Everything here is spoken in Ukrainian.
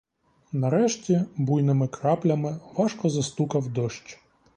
Нарешті буйними краплями важко застукав дощ.